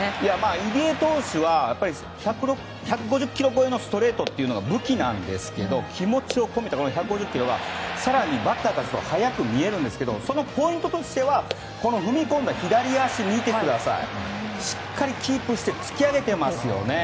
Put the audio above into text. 入江投手は１５０キロ超えのストレートが武器なんですけど気持ちを込めて、１５０キロは更にバッターからすると速く見えるんですけどそのポイントとしては踏み込んだ左足をしっかりキープして突き上げていますよね。